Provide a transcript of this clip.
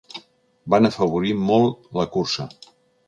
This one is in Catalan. Van afavorir molt la cursa.